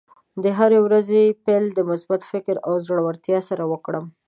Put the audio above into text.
د هرې ورځې پیل د مثبت فکر او زړۀ ورتیا سره وکړه.